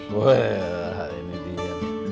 wah ini dia